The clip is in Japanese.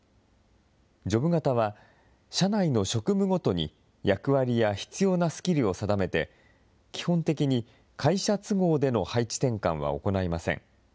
ジョブ型は、社内の職務ごとに役割や必要なスキルを定めて、基本的に会社都合での配置転換は行いません。